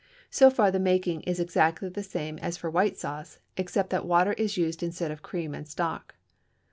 So far, the making is exactly the same as for white sauce, except that water is used instead of cream and stock.